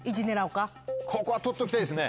ここは取っときたいですね。